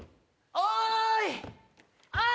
おい！